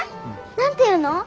何ていうの？